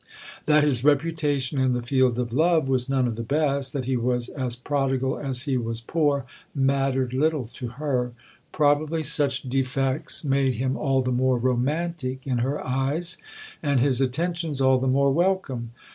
That his reputation in the field of love was none of the best, that he was as prodigal as he was poor, mattered little to her probably such defects made him all the more romantic in her eyes, and his attentions all the more welcome.